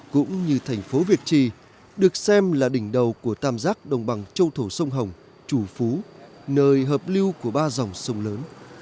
cũng như thành phố việt trì được xem là đỉnh đầu của tam giác đồng bằng châu thổ sông hồng chủ phú nơi hợp lưu của ba dòng sông lớn